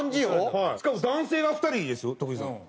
しかも男性が２人ですよ徳井さん。